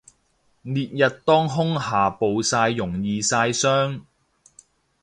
烈日當空下暴曬容易曬傷